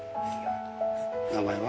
名前は？